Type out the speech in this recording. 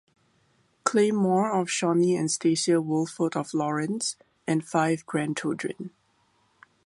Clay Moore of Shawnee and Stacia Wohlford of Lawrence-and five grandchildren.